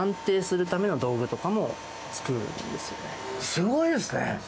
すごいですね！